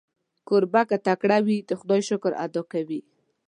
کوربه که تکړه وي، د خدای شکر ادا کوي.